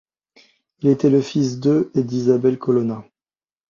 Il était le fils de et d'Isabelle Colonna.